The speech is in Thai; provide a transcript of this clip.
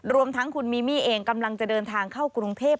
รวมทั้งคุณมีมี่เองกำลังจะเดินทางเข้ากรุงเทพ